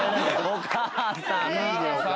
お母さん。